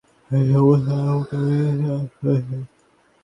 এই সমস্ত নানাপ্রকার বিতণ্ডা চলছে।